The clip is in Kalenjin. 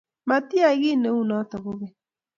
Matiyai kiy neunoto kogeny